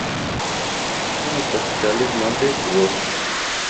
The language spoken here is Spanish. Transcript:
Habita en los pastizales, montes y bosques.